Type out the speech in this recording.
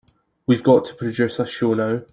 We've got to produce a show now.